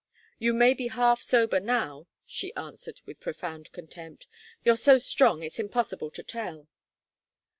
"You may be half sober now," she answered with profound contempt. "You're so strong it's impossible to tell."